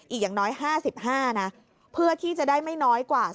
อีกอย่างน้อย๕๕นะเพื่อที่จะได้ไม่น้อยกว่า